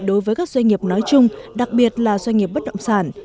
đối với các doanh nghiệp nói chung đặc biệt là doanh nghiệp bất động sản